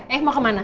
eh mau kemana